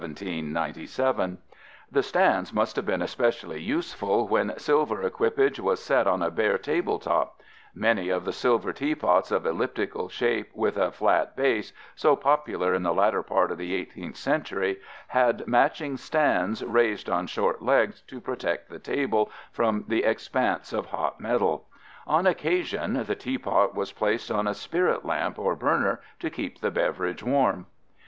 The stands must have been especially useful when silver equipage was set on a bare table top; many of the silver teapots of elliptical shape with a flat base, so popular in the latter part of the 18th century, had matching stands raised on short legs to protect the table from the expanse of hot metal. On occasion the teapot was placed on a spirit lamp or burner to keep the beverage warm.